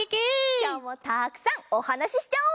きょうもたくさんおなはししちゃおう！